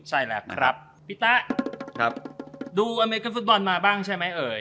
พี่ต้าดูอเมริกันฟุตบอลมาบ้างใช่ไหมเอ๋ย